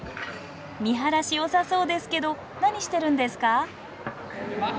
見晴らしよさそうですけど何してるんですか？